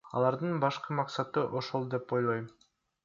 Алардын башкы максаты ошол деп ойлойм.